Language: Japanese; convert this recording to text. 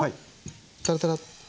タラタラッ。